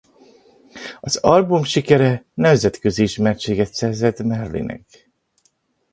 Az album sikere nemzetközi ismertséget szerzett Marley-nek.